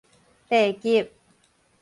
地級